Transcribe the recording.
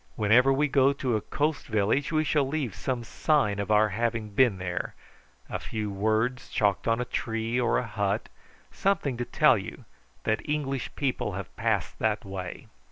Whenever we go to a coast village we shall leave some sign of our having been there a few words chalked on a tree, or a hut, something to tell you that English people have passed that way."